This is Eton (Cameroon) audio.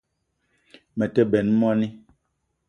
Me te benn moni